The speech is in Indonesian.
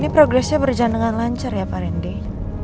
ini progresnya berjalan dengan lancar ya pak rendy